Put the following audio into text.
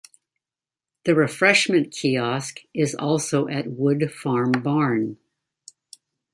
The refreshment kiosk is also at Wood Farm Barn.